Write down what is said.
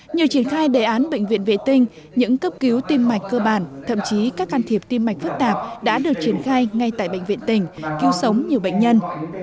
nhờ triển khai đề án bệnh viện vệ tinh những cấp cứu tim mạch cơ bản thậm chí các can thiệp tim mạch phức tạp đã được triển khai ngay tại bệnh viện tỉnh cứu sống nhiều bệnh nhân